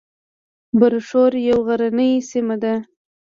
برښور یوه غرنۍ سیمه ده